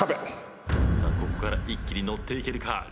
さあここから一気にノっていけるか？